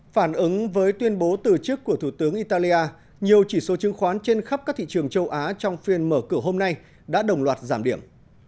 phản ứng với tuyên bố từ chức của thủ tướng italia nhiều chỉ số chứng khoán trên khắp các thị trường châu á trong phiên mở cửa hôm nay đã đồng loạt giảm điểm